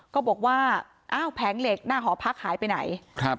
ก็บอกว่าแผงเหล็กหน้าหอพรรคหายไปไหน